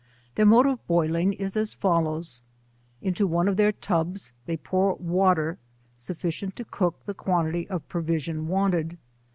Their mode of boiling is as follows : Into one of their tubs, they pour water sufficient to cook the quantity of provision wanted.